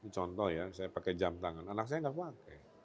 contoh ya saya pakai jam tangan anak saya nggak pakai